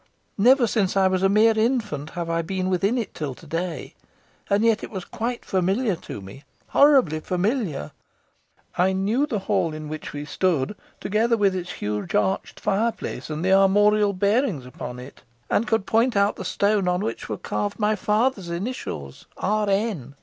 Never since I was a mere infant have I been within it till to day, and yet it was quite familiar to me horribly familiar. I knew the hall in which we stood together, with its huge arched fireplace, and the armorial bearings upon it, and could point out the stone on which were carved my father's initials 'R.N.